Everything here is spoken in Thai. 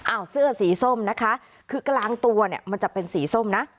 เสื้อสีส้มนะคะคือกลางตัวเนี่ยมันจะเป็นสีส้มนะ